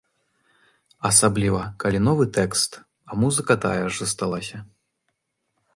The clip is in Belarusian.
Асабліва, калі новы тэкст, а музыка тая ж засталася.